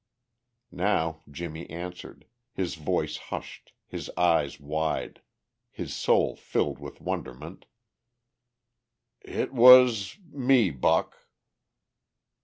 Now Jimmie answered, his voice hushed, his eyes wide, his soul filled with wonderment: "It was ... me, Buck!"